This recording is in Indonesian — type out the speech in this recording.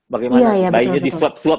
bagaimana bayinya disuap suap